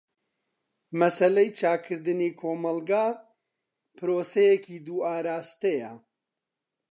مەسەلەی چاکردنی کۆمەلگا پرۆسەیەکی دوو ئاراستەیە.